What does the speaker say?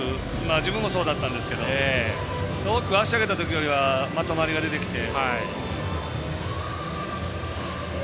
自分もそうでしたけど足を上げた時よりはまとまりが出てきて。